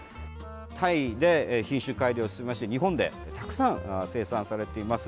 タイで品種改良しまして日本でたくさん生産されています。